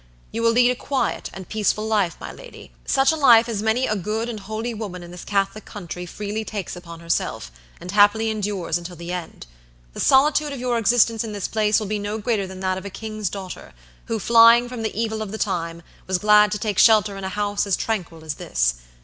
You will lead a quiet and peaceful life, my lady; such a life as many a good and holy woman in this Catholic country freely takes upon herself, and happily endures until the end. The solitude of your existence in this place will be no greater than that of a king's daughter, who, flying from the evil of the time, was glad to take shelter in a house as tranquil as this.